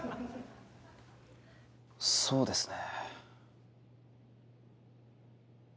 そうですね。